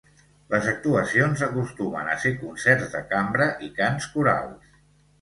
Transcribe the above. Les actuacions acostumen a ser concerts de cambra i cants corals.